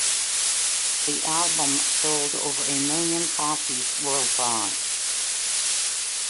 The album sold over a million copies worldwide.